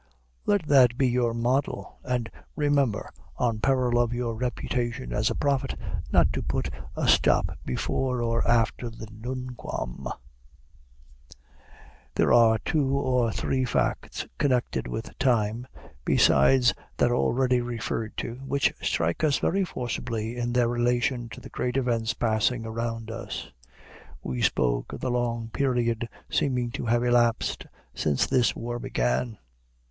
"_ Let that be your model; and remember, on peril of your reputation as a prophet, not to put a stop before or after the nunquam. There are two or three facts connected with time, besides that already referred to, which strike us very forcibly in their relation to the great events passing around us. We spoke of the long period seeming to have elapsed since this war began.